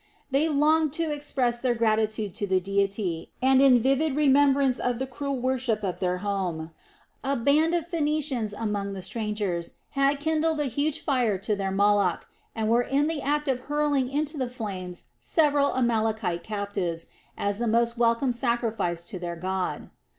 They longed to express their gratitude to the deity, and in vivid remembrance of the cruel worship of their home, a band of Phoenicians among the strangers had kindled a huge fire to their Moloch and were in the act of hurling into the flames several Amalekite captives as the most welcome sacrifice to their god.